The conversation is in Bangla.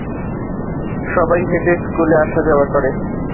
সবাই হেঁটে স্কুলে আসা-যাওয়া করে।